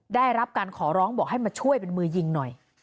ได้รับการขอร้องบอกให้มาช่วยเป็นมือยิงหน่อย